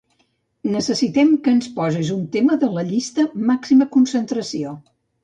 Necessitem que ens posis un tema de la llista "màxima concentració".